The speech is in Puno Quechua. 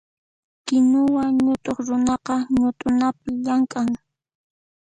Kinuwa ñutuq runaqa ñutunapi llamk'an.